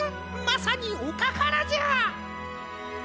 まさにおたからじゃ！